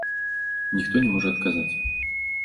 Ніхто не можа адказаць.